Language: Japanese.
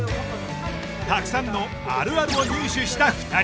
たくさんの「あるある」を入手した２人。